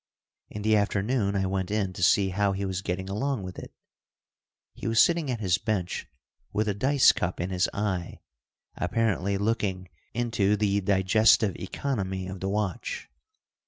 In the afternoon I went in to see how he was getting along with it. He was sitting at his bench with a dice cup in his eye, apparently looking into the digestive economy of the watch.